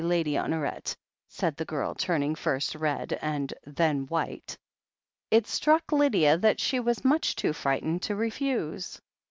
Lady Honoret," said the girl, turning first red and then white. It struck Lydia that she was much too frightened to refuse.